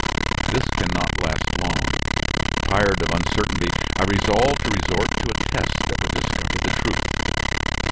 This can not last long. Tired of uncertainty, I resolved to resort to a test that would discover the truth.